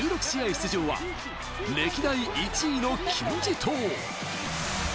出場は歴代１位の金字塔。